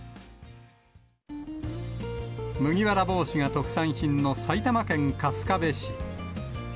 麦わら帽子が特産品の埼玉県春日部市。